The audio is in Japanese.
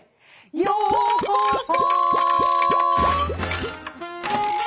「ようこそ」